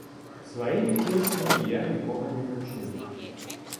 Сваімі песнямі я нікога не вучу.